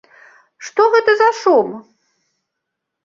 Што гэта за шум?